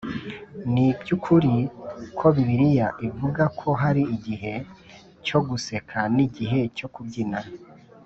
Ni iby ukuri ko Bibiliya ivuga ko hari igihe cyo guseka ni igihe cyo kubyina